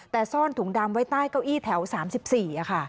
แต่ซ่อนถุงดำไว้ใต้เก้าอี้แถว๓๔ค่ะ